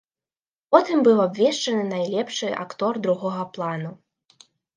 Потым быў абвешчаны найлепшы актор другога плану.